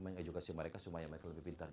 mengedukasi mereka supaya mereka lebih pintar